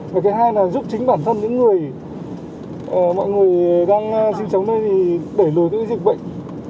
và cái hai là giúp chính bản thân những người mọi người đang sinh trống đây để lùi tự dịch bệnh